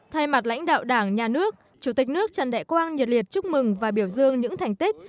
thay mặt lãnh đạo đảng nhà nước chủ tịch nước trần đại quang nhiệt liệt chúc mừng và biểu dương những thành tích